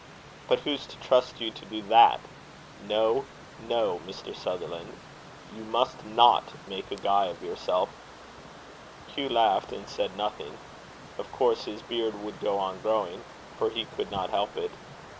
"But who's to trust you to do that? No, no, Mr. Sutherland; you must not make a guy of yourself." Hugh laughed, and said nothing. Of course his beard would go on growing, for he could not help it.